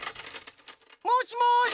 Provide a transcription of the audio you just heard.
もしもし！